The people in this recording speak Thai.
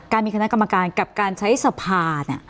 การมีคณะกรรมการกับการใช้สภา